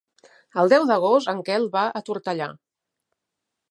El deu d'agost en Quel va a Tortellà.